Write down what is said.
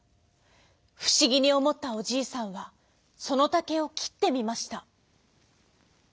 ふしぎにおもったおじいさんはそのたけをきってみました。